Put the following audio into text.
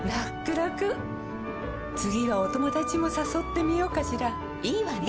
らくらくはお友達もさそってみようかしらいいわね！